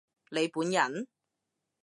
你本人？